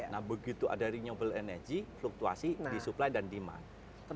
nah begitu ada renewable energy fluktuasi disupply dan demand